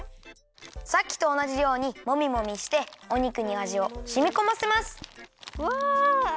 さっきとおなじようにもみもみしてお肉にあじをしみこませます。わ！